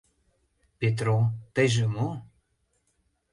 — Петро, тыйже мо...